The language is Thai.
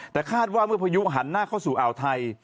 แต่คาดว่าเมื่อพายุหันหน้าเข้าสู่อ่าวไทย